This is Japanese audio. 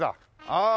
ああ。